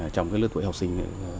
trong cái lớp tuổi học sinh